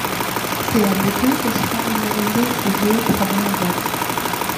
C'est avec eux que seront réalisés ses deux premiers albums.